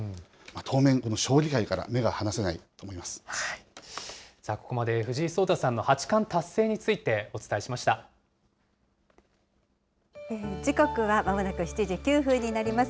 当面、この将棋界から目が離せなここまで、藤井聡太さんの八時刻はまもなく７時９分になります。